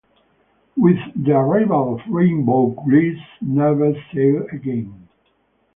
With the arrival of "Rainbow", "Grilse" never sailed again.